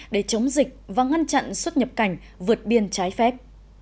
để chống dịch và ngăn chặn xuất nhập cảnh vượt biên trái phép